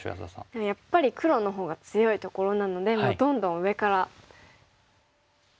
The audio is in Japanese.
でもやっぱり黒のほうが強いところなのでもうどんどん上からいきたいですね。